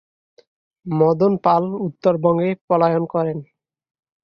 মদন পাল উত্তর বঙ্গে পলায়ন করেন।